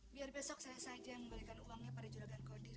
biar besok saya saja yang membalikan uangnya pada juragan kodir